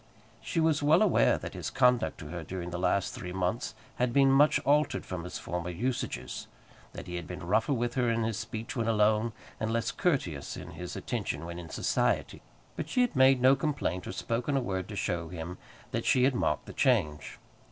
She was well aware that his conduct to her during the last three months had been much altered from his former usages; that he had been rougher with her in his speech when alone, and less courteous in his attention when in society; but she had made no complaint or spoken a word to show him that she had marked the change.